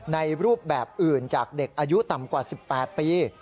รูปแบบอื่นจากเด็กอายุต่ำกว่า๑๘ปี